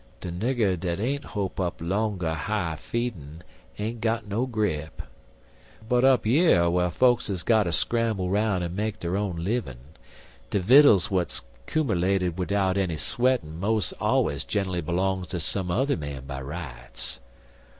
"De nigger dat ain't hope up 'longer high feedin' ain't got no grip. But up yer whar fokes is gotter scramble 'roun' an' make der own livin', de vittles w'at's kumerlated widout enny sweatin' mos' allers gener'ly b'longs ter some yuther man by rights.